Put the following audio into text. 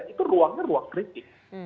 itu ruangnya ruang kritik